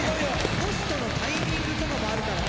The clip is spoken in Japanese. トスとのタイミングとかがあるからね。